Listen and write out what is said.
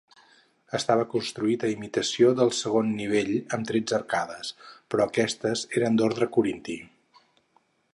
Estava construït a imitació del segon nivell amb tretze arcades, però aquestes eren d'ordre corinti.